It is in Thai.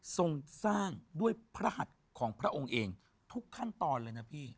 ทรงสร้างด้วยพระหัสของพระองค์เองทุกขั้นตอนเลยนะพี่